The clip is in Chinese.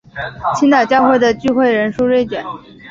青岛教会的聚会人数锐减。